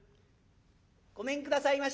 「ごめんくださいまし。